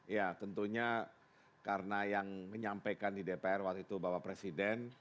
ya tentunya karena yang menyampaikan di dpr waktu itu bapak presiden